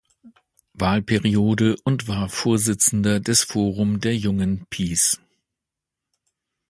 Wahlperiode und war Vorsitzender des Forum der Jungen PiS.